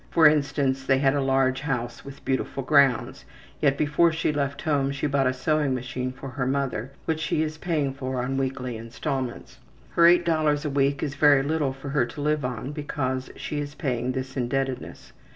For instance, they had a large house with beautiful grounds, yet before she left home she bought a sewing machine for her mother, which she is paying for on weekly installments. Her $8 a week is very little for her to live on because she is paying this indebtedness.